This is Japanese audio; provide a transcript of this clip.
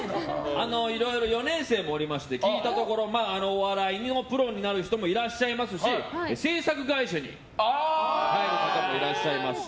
いろいろ４年生もおりまして聞いたところお笑いのプロになる人もいらっしゃいますし制作会社に入る方もいらっしゃいますし。